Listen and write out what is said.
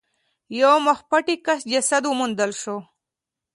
یو مخ پټي کس جسد وموندل شو.